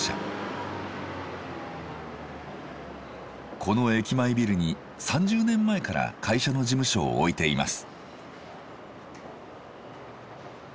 この駅前ビルに３０年前から会社の事務所を置いています。